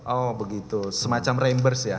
oh begitu semacam rambers ya